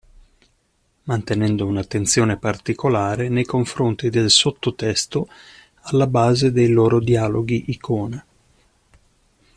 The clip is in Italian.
Mantenendo un'attenzione particolare nei confronti del sottotesto alla base dei loro dialoghi-icona.